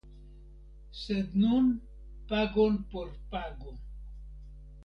Sed nun pagon por pago.